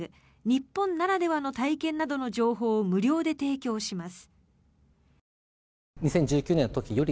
日本ならではの体験などの情報を無料で提供します。